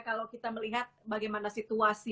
kalau kita melihat bagaimana situasi